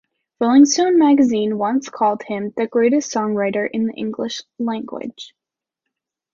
"Rolling Stone Magazine" once called him "The greatest songwriter in the English language".